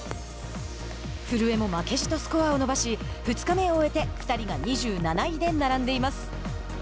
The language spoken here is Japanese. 古江も負けじとスコアを伸ばし２日目を終えて２人が２７位で並んでいます。